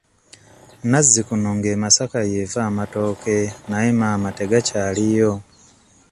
Nazzikuno ng'e Masaka y'eva amatooke naye maama tegakyaliyo.